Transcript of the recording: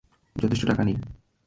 যথেষ্ট টাকা নেই!